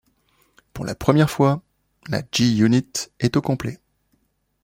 Pour la première fois, la G-unit est au complet.